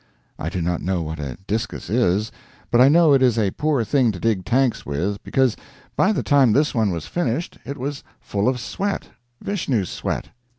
I do not know what a discus is, but I know it is a poor thing to dig tanks with, because, by the time this one was finished, it was full of sweat Vishnu's sweat.